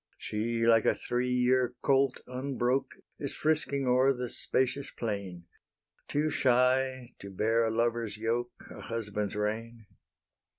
She, like a three year colt unbroke, Is frisking o'er the spacious plain, Too shy to bear a lover's yoke, A husband's rein.